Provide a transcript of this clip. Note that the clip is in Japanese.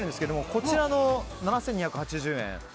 こちらの７２８０円